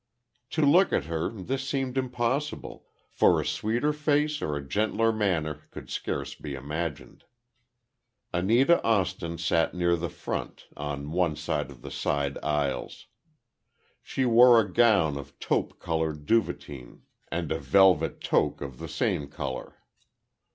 To look at her, this seemed impossible, for a sweeter face or a gentler manner could scarce be imagined. Anita Austin sat near the front, on one of the side aisles. She wore a gown of taupe colored duvetyn, and a velvet toque of the same color.